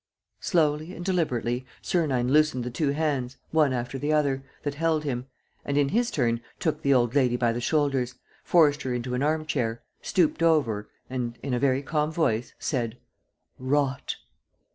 Slowly and deliberately Sernine loosened the two hands, one after the other, that held him, and in his turn, took the old lady by the shoulders, forced her into an arm chair, stooped over and, in a very calm voice, said: "Rot!"